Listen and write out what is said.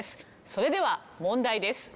それでは問題です。